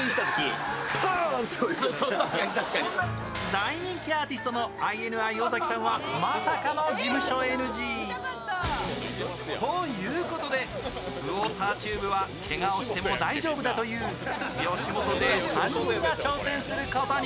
大人気アーティストのＩＮＩ・尾崎さんはまさかの事務所ＮＧ。ということで、ウォーターチューブはけがをしても大丈夫だという吉本勢３人が挑戦することに。